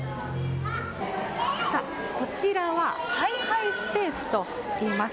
さあ、こちらはハイハイスペースと言います。